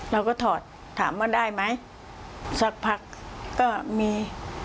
เราก็ถอดถามว่าได้ไหมสักพักก็มี